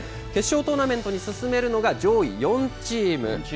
決勝トーナメントに進めるのが、上位４チーム。